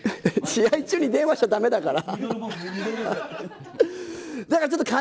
試合中に電話しちゃ駄目だから。